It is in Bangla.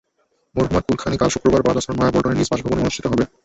মরহুমার কুলখানি কাল শুক্রবার বাদ আসর নয়াপল্টনের নিজ বাসভবনে অনুষ্ঠিত হবে।